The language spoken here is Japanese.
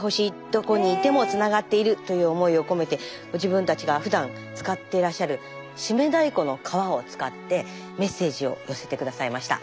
どこにいてもつながっているという思いを込めてご自分たちがふだん使ってらっしゃる締太鼓の革を使ってメッセージを寄せて下さいました。